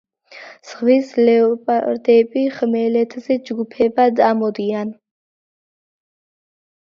ზღვის ლეოპარდები ხმელეთზე ჯგუფებად ამოდიან.